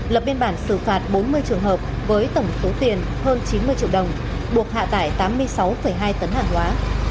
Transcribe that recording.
lập biên bản xử phạt bốn mươi trường hợp với tổng số tiền hơn chín mươi triệu đồng buộc hạ tải tám mươi sáu hai tấn hàng hóa